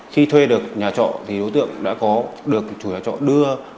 khi thuê được nhà trọ thì đối tượng đã có được chủ nhà trọ đưa